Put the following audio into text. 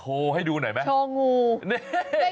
โอ้โห